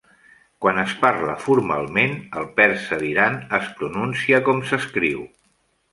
Quan es parla formalment, el persa d'Iran es pronuncia com s'escriu.